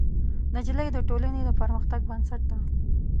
نجلۍ د ټولنې د پرمختګ بنسټ ده.